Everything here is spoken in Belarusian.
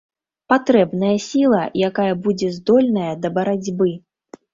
Патрэбная сіла, якая будзе здольная да барацьбы.